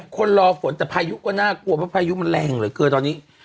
คนรอฝนแต่พายุก็น่ากลัวเพราะพายุมันแรงเหลือเกินตอนนี้